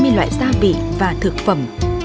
có đủ hai mươi loại gia vị và thực phẩm